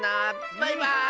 バイバーイ！